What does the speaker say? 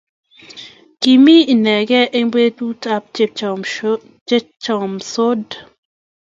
Ki mi inegei eng betut ab chechamdos